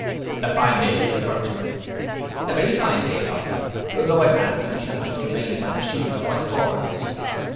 —'A fine day, Mr Burchell.'—'A very fine day, Doctor; though I fancy we shall have some rain by the shooting of my corns.